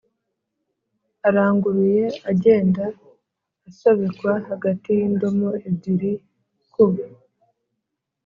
aranguruye agenda asobekwa hagati y'indomo ebyiri ku